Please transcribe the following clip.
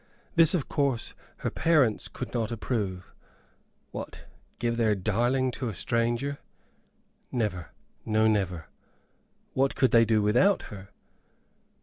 This, of course, her parents could not approve. What! give their darling to a stranger? Never, no, never. What could they do without her?